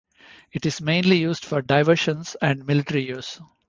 It is mainly used for diversions and military use.